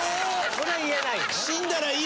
それは言えないよね。